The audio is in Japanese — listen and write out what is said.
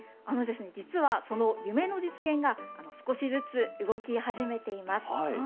実は、その夢の実現が少しずつ動き始めています。